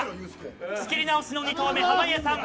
仕切り直しの２投目、濱家さん